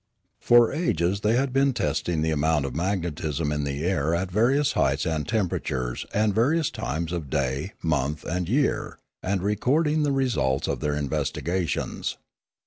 For ages they had been testing the amount of mag netism in the air at various heights and temperatures and various times of day, month, and year, and record ing the results of their investigations.